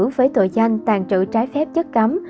với tội danh tàn trữ trái phép chức cấm